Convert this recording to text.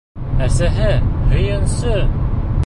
Әсәһе, һөйөнсө!